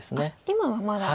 今はまだ。